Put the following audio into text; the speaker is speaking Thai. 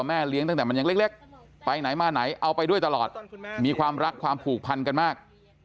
แม่เลี้ยงตั้งแต่มันยังเล็กไปไหนมาไหนเอาไปด้วยตลอดมีความรักความผูกพันกันมาก